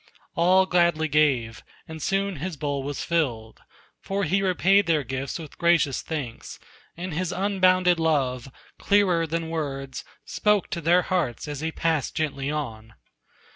All gladly gave, and soon his bowl was filled, For he repaid their gifts with gracious thanks, And his unbounded love, clearer than words, Spoke to their hearts as he passed gently on.